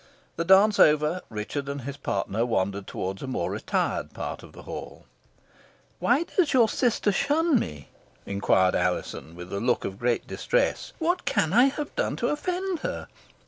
The dance over, Richard and his partner wandered towards a more retired part of the hall. "Why does your sister shun me?" inquired Alizon, with a look of great distress. "What can I have done to offend her?